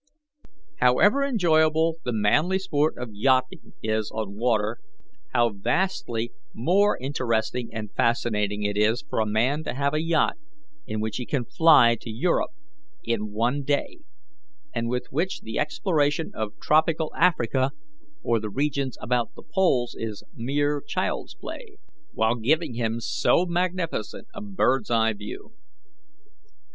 "However enjoyable the manly sport of yachting is on water, how vastly more interesting and fascinating it is for a man to have a yacht in which he can fly to Europe in one day, and with which the exploration of tropical Africa or the regions about the poles is mere child's play, while giving him so magnificent a bird's eye view!